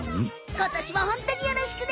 今年もホントによろしくね！